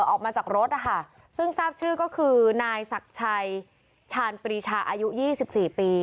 ออกมาจากรถนะคะซึ่งทราบชื่อก็คือนายศักดิ์ชัยชาญปรีชาอายุ๒๔ปี